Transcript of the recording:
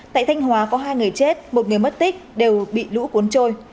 tại thanh hóa có hai người chết một người mất tích đều bị lũ cuốn trôi